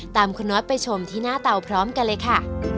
คุณน้อยไปชมที่หน้าเตาพร้อมกันเลยค่ะ